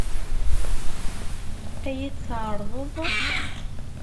Ad iyi-t-tɛeṛḍeḍ?